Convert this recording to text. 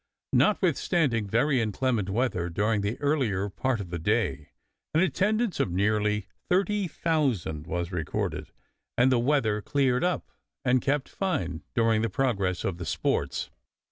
Notwithstanding very inclement weather during the earlier part of the day, an attendance of nearly 30,000 was recorded, and the weather cleared up and kept fine during the progress of the sports.